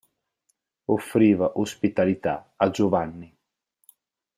Offriva ospitalità a Giovanni.